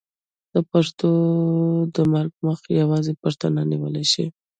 د پښتو د مرګ مخه یوازې پښتانه نیولی شي.